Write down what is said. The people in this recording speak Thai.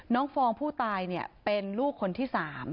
ฟองผู้ตายเป็นลูกคนที่๓